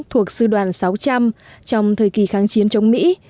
thuộc sư đoàn sáu trong thời kỳ kháng chiến chống mỹ